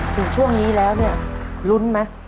ถึงช่วงนี้แล้วเนี่ยลุ้นไหม